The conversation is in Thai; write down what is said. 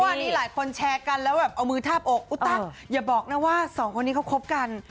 วันนี้หลายคนแชร์กันแล้วแบบเอามือทาบอกอุ๊ตะอย่าบอกนะว่าสองคนนี้เขาคบกัน